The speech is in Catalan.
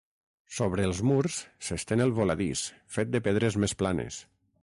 Sobre els murs s'estén el voladís fet de pedres més planes.